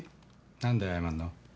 何で謝るの？